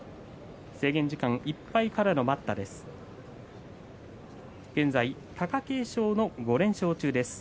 制限時間いっぱいからの待ったです。